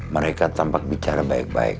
mereka tampak bicara baik baik